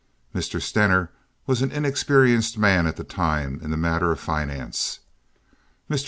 Mr. Stener was an inexperienced man at the time in the matter of finance. Mr.